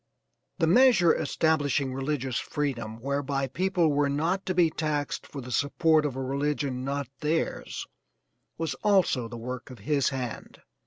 The measure establishing religious freedom, whereby people were not to be taxed for the support of a religion not theirs, was also the work of his hand.